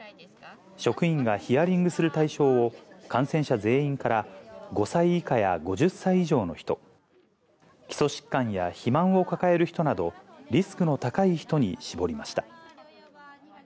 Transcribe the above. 職員がヒアリングする対象を、感染者全員から５歳以下や５０歳以上の人、基礎疾患や肥満を抱える人など、リスクの高い人に絞りました。